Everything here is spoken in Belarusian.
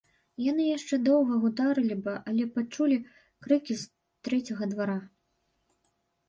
Яны яшчэ доўга гутарылі б, але пачулі крыкі з трэцяга двара.